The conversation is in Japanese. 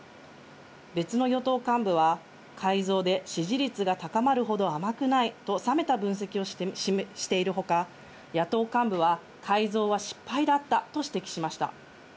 別の与党幹部は、改造で支持率が高まるほど甘くないと冷めた分析をしている他、野党幹部は改造は失敗だったと指摘しました。